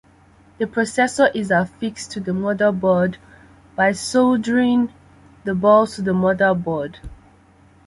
The processor is affixed to the motherboard by soldering the balls to the motherboard.